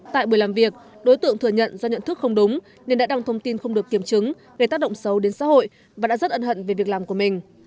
tại buổi làm việc đối tượng thừa nhận do nhận thức không đúng nên đã đăng thông tin không được kiểm chứng gây tác động xấu đến xã hội và đã rất ân hận về việc làm của mình